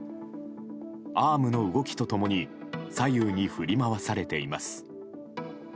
アームの動きと共に左右に振り回されています。